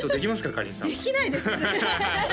かりんさんできないです